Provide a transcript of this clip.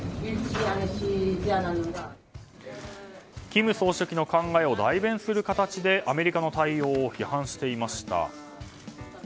金総書記の考えを代弁する形でアメリカの対応を批判していました。